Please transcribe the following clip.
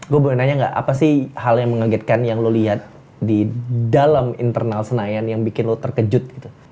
gue boleh nanya nggak apa sih hal yang mengagetkan yang lo lihat di dalam internal senayan yang bikin lo terkejut gitu